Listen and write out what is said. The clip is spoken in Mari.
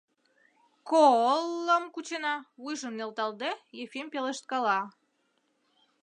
— Ко...олым кучена... — вуйжым нӧлталде, Ефим пелешткала.